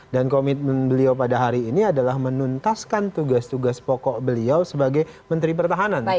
dan komitmen beliau pada hari ini adalah menuntaskan tugas tugas pokok beliau sebagai menteri pertahanan